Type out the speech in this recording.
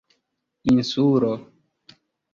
insulo